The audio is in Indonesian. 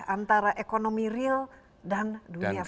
antara ekonomi real dan dunia